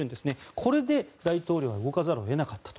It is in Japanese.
これで大統領が動かざるを得なかったと。